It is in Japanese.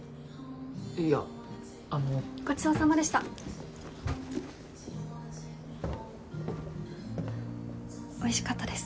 いやあのごちそうさまでしたおいしかったです